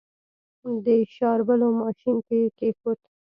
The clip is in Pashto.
د شاربلو ماشين کې يې کېښود.